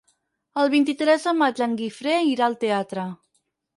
El vint-i-tres de maig en Guifré irà al teatre.